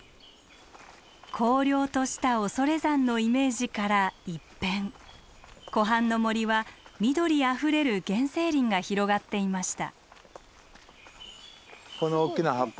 荒涼とした恐山のイメージから一変湖畔の森は緑あふれる原生林が広がっていました。